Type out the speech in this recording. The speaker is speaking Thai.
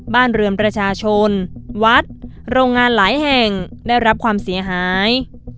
บ้านเรือนประชาชนวัดโรงงานหลายแห่งได้รับความเสียหาย